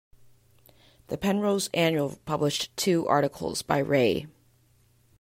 The "Penrose Annual" published two articles by Ray.